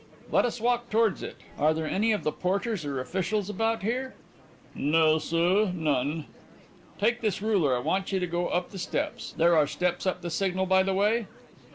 "Let us walk towards it. Are there any of the porters or officials about here?" "No, sir; none." "Take this ruler. I want you to go up the steps there are steps up the signal, by the way?"